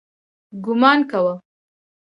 ګومان کاوه.